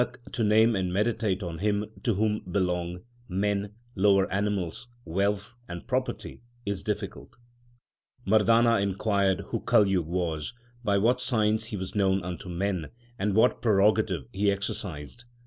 LIFE OF GURU NANAK 79 Nanak, to name and meditate on Him to whom belong Men, lower animals, wealth, and property, is difficult . l Mardana inquired who Kaljug was, by what signs he was known unto men, and what prerogative he exercised